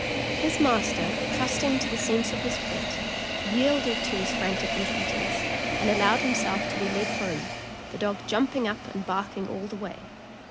His master, trusting to the sense of his pet, yielded to his frantic entreaties, and allowed himself to be led home, the dog jumping up and barking all the way.